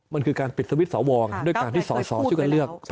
มันคือการปิดสวิตช์สวด้วยการที่สอสอช่วยกันเลือก